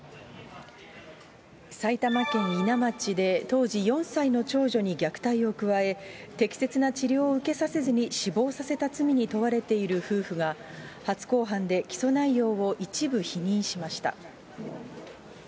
埼玉県伊奈町で、当時４歳の長女に虐待を加え、適切な治療を受けさせずに死亡させた罪に問われている夫婦が初公判で起訴内容を一部否認しました。